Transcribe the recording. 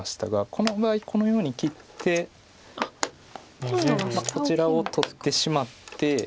この場合このように切ってこちらを取ってしまって。